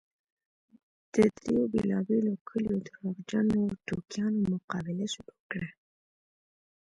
د دريو بېلابېلو کليو درواغجنو ټوکیانو مقابله شروع کړه.